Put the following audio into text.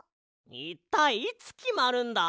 いったいいつきまるんだ？